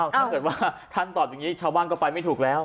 ถ้าเกิดว่าท่านตอบอย่างนี้ชาวบ้านก็ไปไม่ถูกแล้ว